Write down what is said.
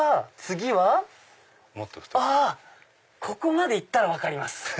ここまで行ったら分かります。